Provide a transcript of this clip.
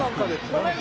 ごめん。